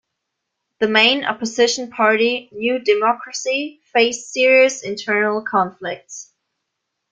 The main opposition party, New Democracy, faced serious internal conflicts.